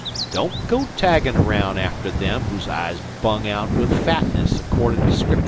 Don't go taggin' araound after them whose eyes bung out with fatness, accordin' to Scripcher."